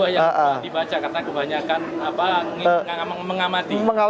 dua ratus dua belas yang dibaca karena kebanyakan mengamati